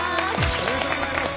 おめでとうございます。